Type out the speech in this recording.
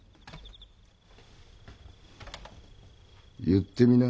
言ってみな。